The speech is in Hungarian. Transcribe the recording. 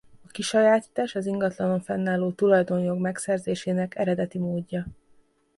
A kisajátítás az ingatlanon fennálló tulajdonjog megszerzésének eredeti módja.